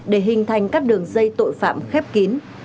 để hình thành các đường dây tội phạm khép kín